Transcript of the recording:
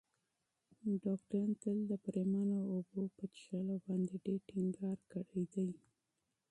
ډاکترانو تل د پرېمانه اوبو په څښلو باندې ډېر ټینګار کړی دی.